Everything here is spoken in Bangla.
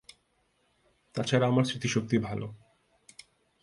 তা ছাড়া আমার স্মৃতিশক্তি ভালো।